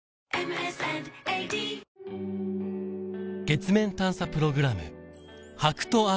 月面探査プログラム